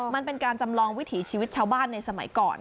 มันเป็นการจำลองวิถีชีวิตชาวบ้านในสมัยก่อน